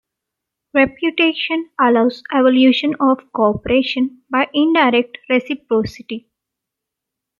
Reputation allows evolution of cooperation by indirect reciprocity.